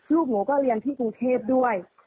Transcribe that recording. ลูกหนูก็เรียนที่กรุงเทพด้วย